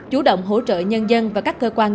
chủ động hỗ trợ nhân dân và các cơ quan